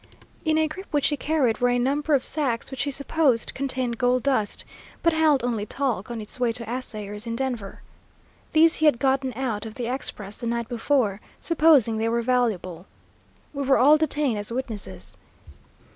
"In a grip which he carried were a number of sacks, which he supposed contained gold dust, but held only taulk on its way to assayers in Denver. These he had gotten out of the express the night before, supposing they were valuable. We were all detained as witnesses.